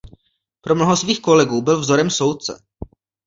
Pro mnoho svých kolegů byl vzorem soudce.